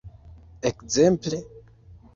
Ekzemple?